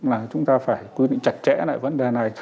là chúng ta phải quy định chặt chẽ lại vấn đề này